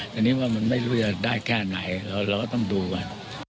แต่นึกว่ามันไม่เลือกได้แค่ไหนเราก็ต้องดูก่อน